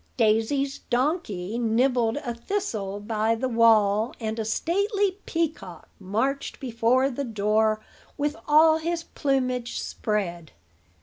Daisy's donkey nibbled a thistle by the wall, and a stately peacock marched before the door with all his plumage spread.